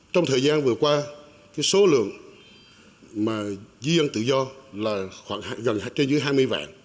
trong thời gian vừa qua số lượng di dân tự do là gần trên dưới hai mươi vạn